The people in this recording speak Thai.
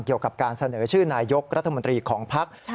เกี่ยวกับการเสนอชื่อนายกรัฐมนตรีของภักดิ์